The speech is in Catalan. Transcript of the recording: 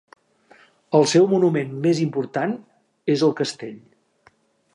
El seu monument més important és el castell.